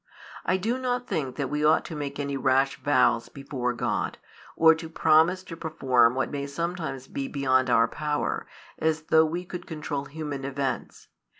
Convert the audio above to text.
I do not think that we ought to make any rash vows before God, or to promise to perform what may sometimes be beyond our power, as though we could control human events.